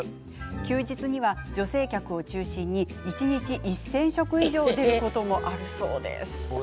休日には女性客を中心に一日１０００食以上出ることもあるそうです。